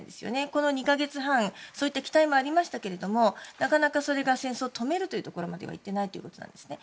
この２か月半、そういった期待もありましたけれどもなかなかそれが戦争を止めるというところまではいっていないということなんですね。